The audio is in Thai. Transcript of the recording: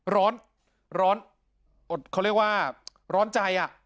ร้อนร้อนอดเขาเรียกว่าร้อนใจอ่ะ